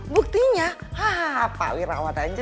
buktinya hah pak wirawat aja